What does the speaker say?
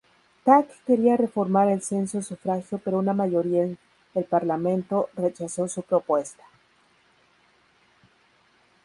Tak quería reformar el censo-sufragio, pero una mayoría en el parlamento rechazó su propuesta.